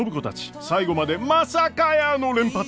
最後までまさかやーの連発。